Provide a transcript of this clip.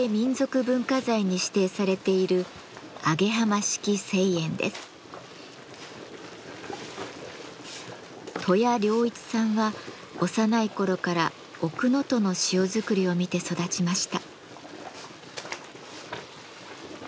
文化財に指定されている登谷良一さんは幼い頃から奥能登の塩作りを見て育ちました。